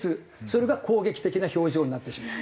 それが攻撃的な表情になってしまう。